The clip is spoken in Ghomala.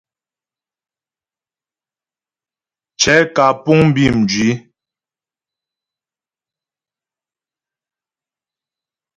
Cɛ̌ kǎ puŋ bí mjwǐ.